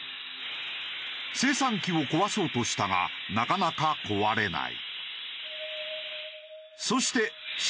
精算機を壊そうとしたがなかなか壊れない。